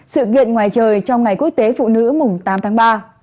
sự kiện ngoài trời trong ngày quốc tế phụ nữ mùng tám tháng ba